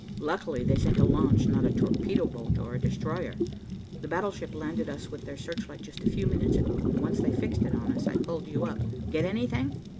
Luckily they sent a launch, not a torpedo boat or a destroyer. The battleship landed us with their searchlight just a few minutes ago, and once they fixed it on us, I pulled you up. Get anything?"